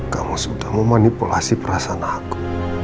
kamu sudah memanipulasi perasaan aku